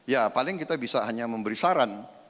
ya paling kita bisa hanya memberi saran